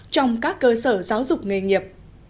trong các cơ sở giáo dục nghề nghiệp